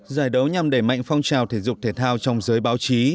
giải đấu nhằm đẩy mạnh phong trào thể dục thể thao trong giới báo chí